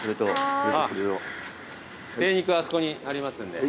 精肉あそこにありますんで。